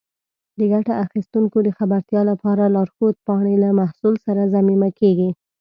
د ګټه اخیستونکو د خبرتیا لپاره لارښود پاڼې له محصول سره ضمیمه کېږي.